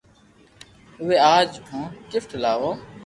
اوري آج ھون گفت لاوُ